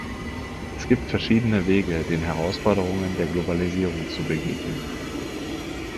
Es gibt verschiedene Wege, den Herausforderungen der Globalisierung zu begegnen.